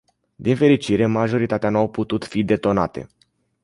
Din fericire, majoritatea nu au putut fi detonate.